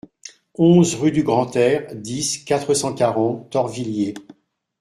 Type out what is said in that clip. onze rue du Grand-Air, dix, quatre cent quarante, Torvilliers